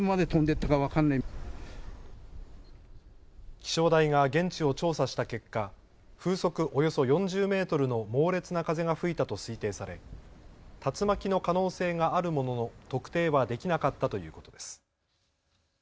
気象台が現地を調査した結果、風速およそ４０メートルの猛烈な風が吹いたと推定され竜巻の可能性があるものの特定はできなかったということです。